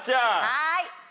はい。